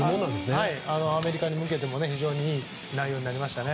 アメリカに向けても非常にいい波になりましたね。